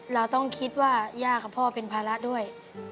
เราต้องคิดว่าย่ากับพ่อเป็นภาระด้วย